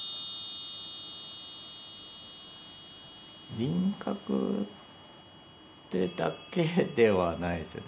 輪郭ってだけではないですよね。